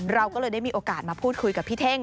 เราก็เลยได้มีโอกาสมาพูดคุยกับพี่เท่ง